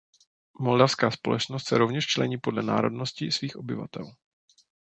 Moldavská společnost se rovněž člení podle národnosti svých obyvatel.